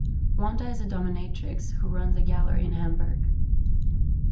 Wanda is a dominatrix who runs a gallery in Hamburg.